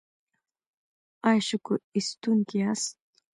ایا شکر ایستونکي یاست؟